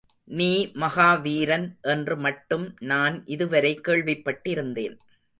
நீ மகா வீரன் என்று மட்டும் நான் இதுவரை கேள்விப்பட்டிருந்தேன்.